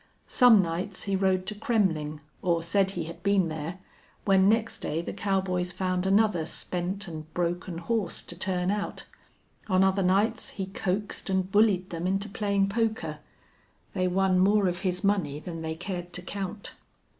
Some nights he rode to Kremmling, or said he had been there, when next day the cowboys found another spent and broken horse to turn out. On other nights he coaxed and bullied them into playing poker. They won more of his money than they cared to count.